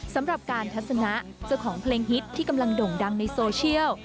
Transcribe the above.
สำหรับการทัศนะเจ้าของเพลงฮิตที่กำลังด่งดังในโซเชียล